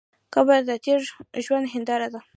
قبر د تېر ژوند هنداره ده.